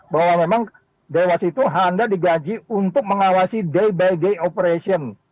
bahwa memang dewas itu anda digaji untuk mengawasi day by day operation